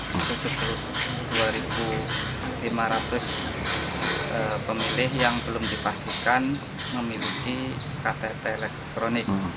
itu dua lima ratus pemilih yang belum dipastikan memiliki ktp elektronik